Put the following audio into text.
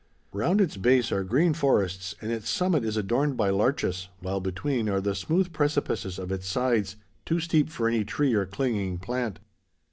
Round its base are green forests and its summit is adorned by larches, while between are the smooth precipices of its sides too steep for any tree or clinging plant.